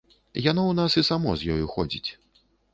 Яно ў нас і само з ёю ходзіць.